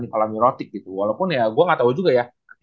di palang neurotic gitu walaupun ya gue nggak tahu juga ya